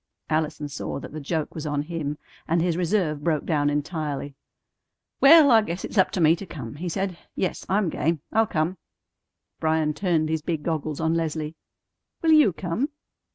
Allison saw that the joke was on him, and his reserve broke down entirely. "Well, I guess it's up to me to come," he said. "Yes, I'm game. I'll come." Bryan turned his big goggles on Leslie. "Will you come?"